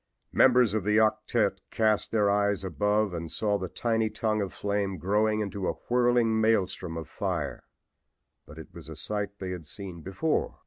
Members of the octette cast their eyes above and saw the tiny tongue of flame growing into a whirling maelstrom of fire. But it was a sight they had seen before.